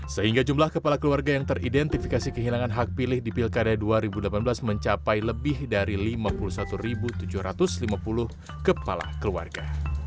sehingga jumlah kepala keluarga yang teridentifikasi kehilangan hak pilih di pilkada dua ribu delapan belas mencapai lebih dari lima puluh satu tujuh ratus lima puluh kepala keluarga